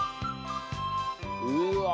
うわ！